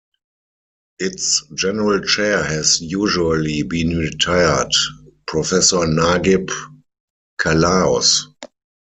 Its General Chair has usually been retired Professor Nagib Callaos.